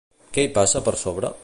Qui hi passa per sobre?